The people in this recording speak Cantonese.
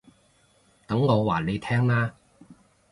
等我話你聽啦